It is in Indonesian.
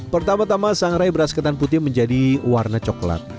pertama tama sangrai beras ketan putih menjadi warna coklat